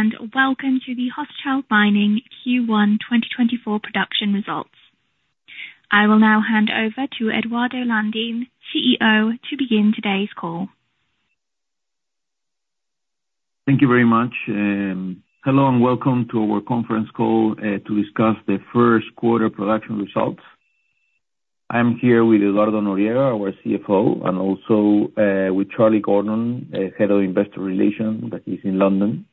Hello and welcome to the Hochschild Mining Q1 2024 production results. I will now hand over to Eduardo Landin, CEO, to begin today's call. Thank you very much. Hello and welcome to our conference call to discuss the first quarter production results. I am here with Eduardo Noriega, our CFO, and also with Charlie Gordon, head of investor relations that is in London.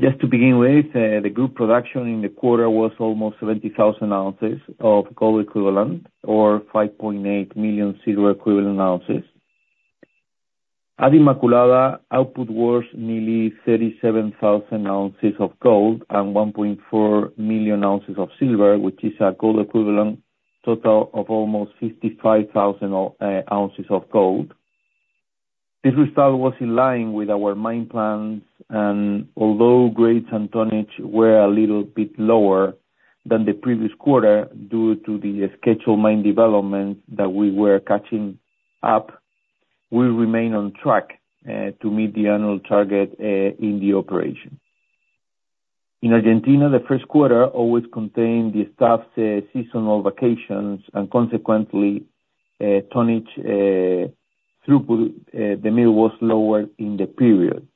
Just to begin with, the group production in the quarter was almost 70,000 ounces of gold equivalent, or 5.8 million silver equivalent ounces. At Inmaculada, output was nearly 37,000 ounces of gold and 1.4 million ounces of silver, which is a gold equivalent total of almost 55,000 ounces of gold. This result was in line with our mine plans, and although grades and tonnage were a little bit lower than the previous quarter due to the scheduled mine developments that we were catching up, we remain on track to meet the annual target in the operation. In Argentina, the first quarter always contained the staff's seasonal vacations, and consequently, tonnage throughput at the mill was lower in the period.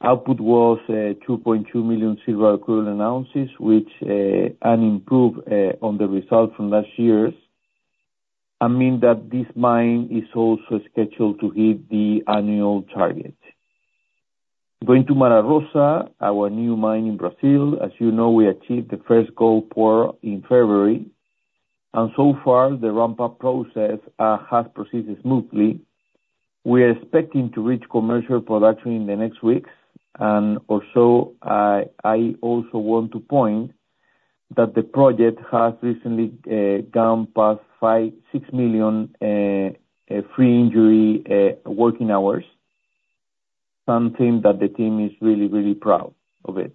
Output was 2.2 million silver equivalent ounces, which is an improvement on the result from last year and means that this mine is also scheduled to hit the annual target. Going to Mara Rosa, our new mine in Brazil, as you know, we achieved the first gold pour in February, and so far the ramp-up process has proceeded smoothly. We are expecting to reach commercial production in the next weeks, and I also want to point out that the project has recently gone past 6 million injury-free working hours, something that the team is really, really proud of it.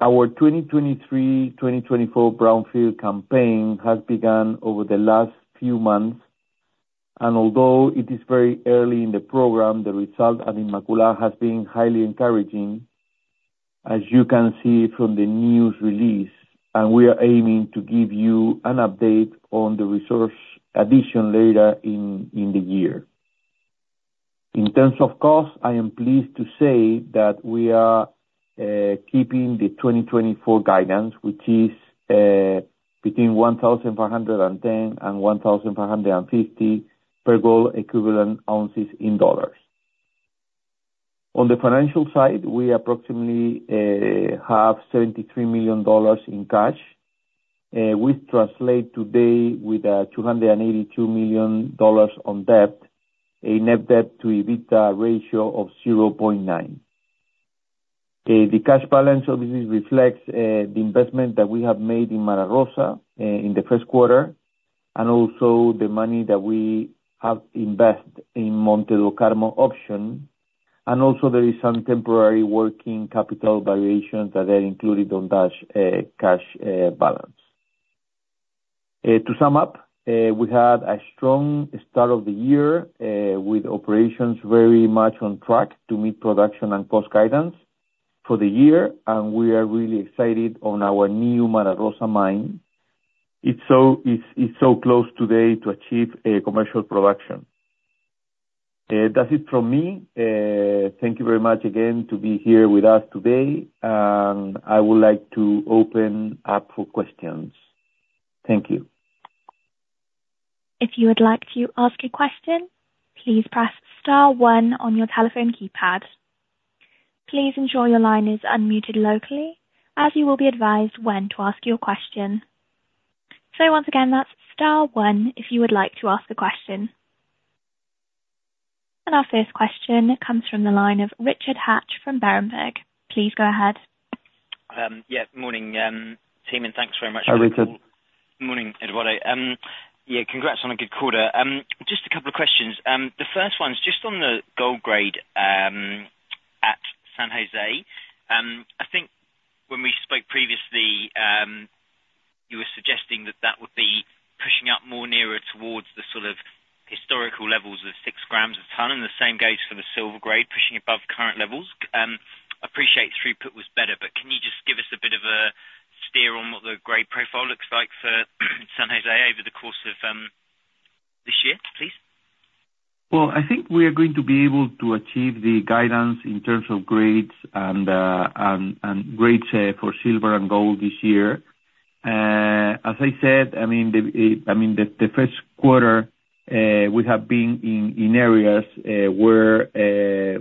Our 2023-2024 brownfield campaign has begun over the last few months, and although it is very early in the program, the result at Inmaculada has been highly encouraging, as you can see from the news release, and we are aiming to give you an update on the resource addition later in the year. In terms of cost, I am pleased to say that we are keeping the 2024 guidance, which is between $1,510-$1,550 per gold equivalent ounces in dollars. On the financial side, we approximately have $73 million in cash. We stand today with $282 million in debt, a net debt to EBITDA ratio of 0.9. The cash balance of this reflects the investment that we have made in Mara Rosa in the first quarter and also the money that we have invested in Monte do Carmo option, and also there is some temporary working capital variations that are included on that cash balance. To sum up, we had a strong start of the year with operations very much on track to meet production and cost guidance for the year, and we are really excited on our new Mara Rosa mine. It's so close today to achieve commercial production. That's it from me. Thank you very much again to be here with us today, and I would like to open up for questions. Thank you. If you would like to ask a question, please press star one on your telephone keypad. Please ensure your line is unmuted locally, as you will be advised when to ask your question. So once again, that's star one if you would like to ask a question. And our first question comes from the line of Richard Hatch from Berenberg. Please go ahead. Yeah. Morning, team, and thanks very much for your call. Hi, Richard. Morning, Eduardo. Yeah, congrats on a good quarter. Just a couple of questions. The first one's just on the gold grade at San Jose. I think when we spoke previously, you were suggesting that that would be pushing up more nearer towards the sort of historical levels of six grams a ton, and the same goes for the silver grade, pushing above current levels. Appreciate throughput was better, but can you just give us a bit of a steer on what the grade profile looks like for San Jose over the course of this year, please? Well, I think we are going to be able to achieve the guidance in terms of grades and grades for silver and gold this year. As I said, I mean, the first quarter, we have been in areas where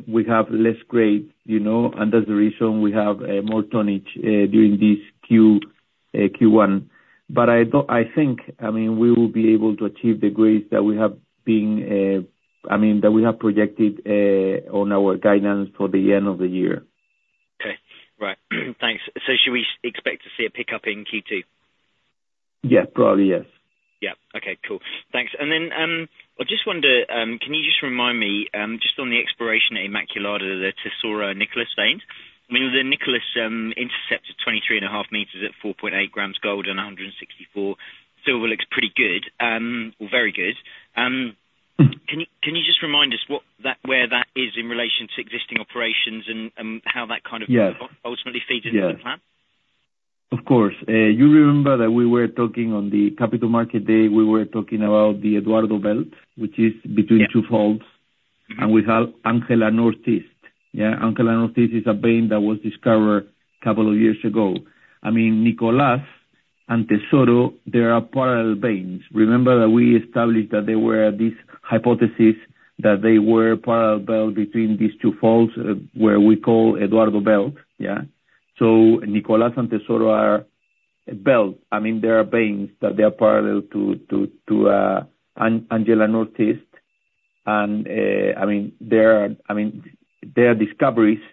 we have less grade, and that's the reason we have more tonnage during this Q1. But I think, I mean, we will be able to achieve the grades that we have been I mean, that we have projected on our guidance for the end of the year. Okay. Right. Thanks. Should we expect to see a pickup in Q2? Yeah, probably yes. Yeah. Okay. Cool. Thanks. And then I just wonder, can you just remind me just on the exploration at Inmaculada of the Tesoro Nicolás veins? I mean, the Nicolás intercept is 23.5 meters at 4.8 grams gold and 164 silver looks pretty good or very good. Can you just remind us where that is in relation to existing operations and how that kind of ultimately feeds into the plan? Of course. You remember that we were talking on the capital market day, we were talking about the Eduardo belt, which is between two folds, and we have Ángela Northeast. Yeah? Ángela Northeast is a vein that was discovered a couple of years ago. I mean, Nicolás and Tesoro, they are parallel veins. Remember that we established that there were this hypothesis that they were parallel belt between these two folds where we call Eduardo belt, yeah? So Nicolás and Tesoro are belt. I mean, there are I mean, there are discoveries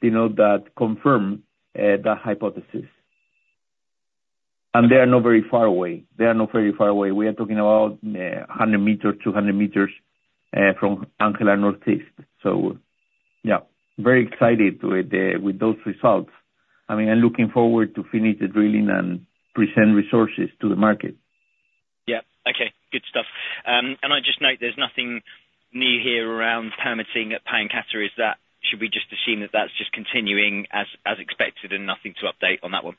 that confirm that hypothesis. And they are not very far away. They are not very far away. We are talking about 100 meters, 200 meters from Ángela Northeast. So yeah, very excited with those results. I mean, I'm looking forward to finish the drilling and present resources to the market. Yeah. Okay. Good stuff. I just note there's nothing new here around permitting at Pallancata. Is that? Should we just assume that that's just continuing as expected and nothing to update on that one?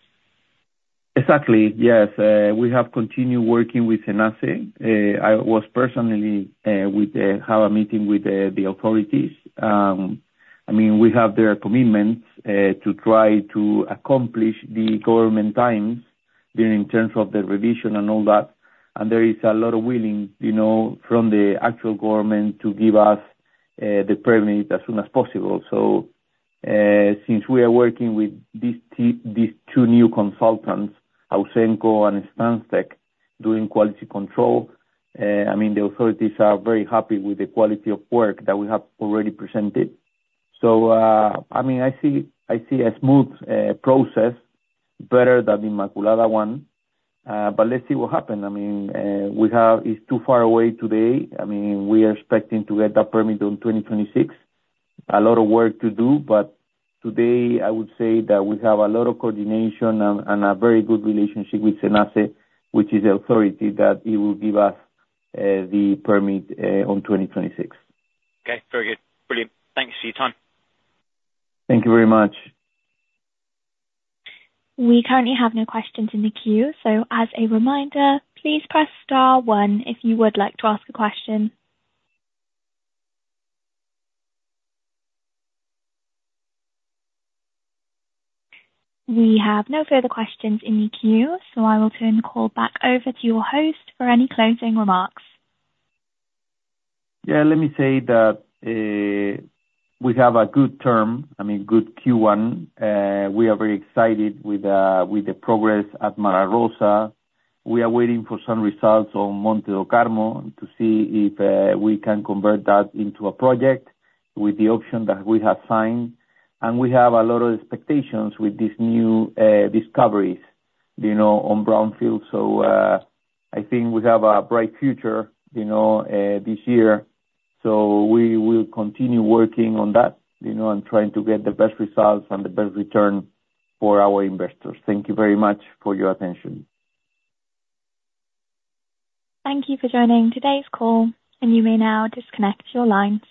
Exactly. Yes. We have continued working with SENACE. I was personally with have a meeting with the authorities. I mean, we have their commitment to try to accomplish the government times in terms of the revision and all that, and there is a lot of willing from the actual government to give us the permit as soon as possible. So since we are working with these two new consultants, Ausenco and Stantec, doing quality control, I mean, the authorities are very happy with the quality of work that we have already presented. So I mean, I see a smooth process better than the Inmaculada one, but let's see what happens. I mean, it's too far away today. I mean, we are expecting to get that permit on 2026. A lot of work to do, but today, I would say that we have a lot of coordination and a very good relationship with SENACE, which is the authority, that it will give us the permit on 2026. Okay. Very good. Brilliant. Thanks for your time. Thank you very much. We currently have no questions in the queue. As a reminder, please press star one if you would like to ask a question. We have no further questions in the queue, so I will turn the call back over to your host for any closing remarks. Yeah. Let me say that we have a good term, I mean, good Q1. We are very excited with the progress at Mara Rosa. We are waiting for some results on Monte do Carmo to see if we can convert that into a project with the option that we have signed. And we have a lot of expectations with these new discoveries on brownfield, so I think we have a bright future this year. So we will continue working on that and trying to get the best results and the best return for our investors. Thank you very much for your attention. Thank you for joining today's call, and you may now disconnect your lines.